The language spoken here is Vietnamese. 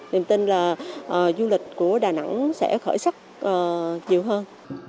niềm tin là du lịch của đà nẵng sẽ khởi sắc nhiều hơn